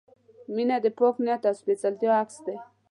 • مینه د پاک نیت او سپېڅلتیا عکس دی.